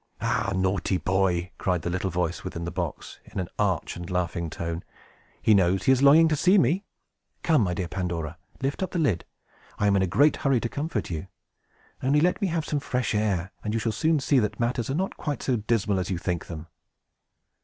"Ah, naughty boy!" cried the little voice within the box, in an arch and laughing tone. "He knows he is longing to see me. Come, my dear Pandora, lift up the lid. I am in a great hurry to comfort you. Only let me have some fresh air, and you shall soon see that matters are not quite so dismal as you think them!"